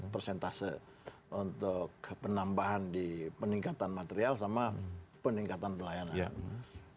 persentase untuk penambahan di peningkatan material sama peningkatan pelayanan